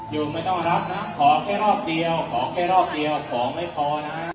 ไม่ต้องรับนะขอแค่รอบเดียวขอแค่รอบเดียวขอไม่พอนะ